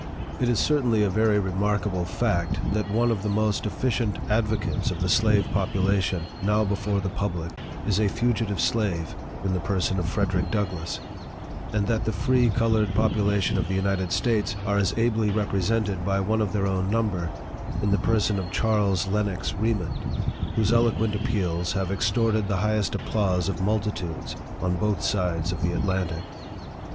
It is certainly a very remarkable fact, that one of the most efficient advocates of the slave population, now before the public, is a fugitive slave, in the person of FREDERICK DOUGLASS ; and that the free colored population of the United States are as ably represented by one of their own number, in the person of CHARLES LENOX REMOND, whose eloquent appeals have ex torted the highest applause of multitudes on both sides of the Atlantic.